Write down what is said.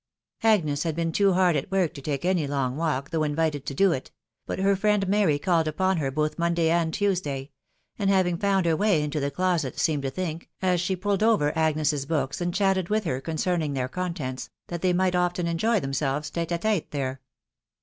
I • I Agnes had been too hard at work to take any long waft, I though invited to do it ; but her friend Mary called upon ha I both Monday and Tuesday ; and having found her way in* 1 the closet, seemed to think, as she pulled over Agnes's both, 1 and chatted with her concerning their contents, that they might I often enjoy themselves tHe dr tite there.